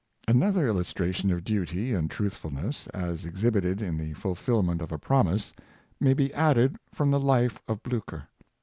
Another illustration of duty and truthfulness, as ex hibited in the fulfillment of a promise, may be added from the life of Blucher.